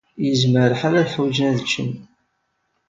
Yezmer lḥal ad ḥwijen ad ččen kra.